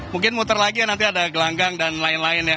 mungkin muter lagi ya nanti ada gelanggang dan lain lain ya